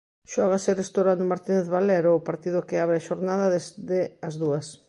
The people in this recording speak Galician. Xógase arestora no Martínez Valero o partido que abre a xornada desde as dúas.